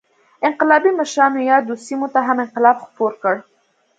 انقلابي مشرانو یادو سیمو ته هم انقلاب خپور کړ.